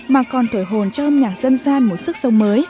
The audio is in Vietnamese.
mà còn thổi hồn cho âm nhạc dân gian một sức sống mới phù hợp với thời đại